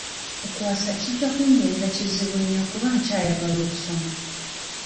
Okuwasa kijja kumbeerera kizibu nnyo kuba nkyayagala okusoma.